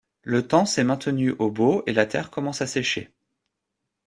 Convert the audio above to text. Le temps s’est maintenu au beau et la terre commence à sécher.